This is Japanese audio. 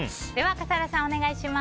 笠原さん、お願いします。